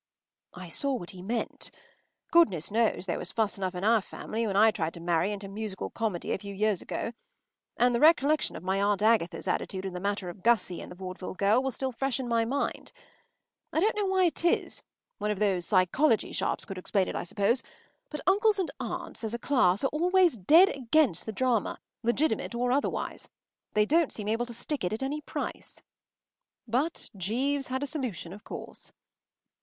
” I saw what he meant. Goodness knows there was fuss enough in our family when I tried to marry into musical comedy a few years ago. And the recollection of my Aunt Agatha’s attitude in the matter of Gussie and the vaudeville girl was still fresh in my mind. I don’t know why it is—one of these psychology sharps could explain it, I suppose—but uncles and aunts, as a class, are always dead against the drama, legitimate or otherwise. They don’t seem able to stick it at any price. But Jeeves had a solution, of course.